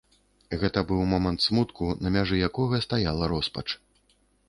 Гэта быў момант смутку, на мяжы якога стаяла роспач.